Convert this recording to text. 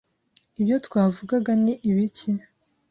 Ibyo twavugaga ni ibiki?